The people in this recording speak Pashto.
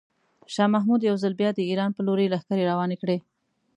شاه محمود یو ځل بیا د ایران په لوري لښکرې روانې کړې.